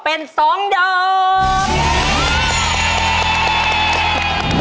เป็น๒ดอก